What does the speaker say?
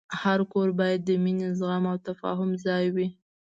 هر کور باید د مینې، زغم، او تفاهم ځای وي.